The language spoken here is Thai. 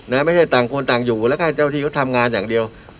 ไม่ใช่ต่างคนต่างอยู่แล้วก็เจ้าที่เขาทำงานอย่างเดียว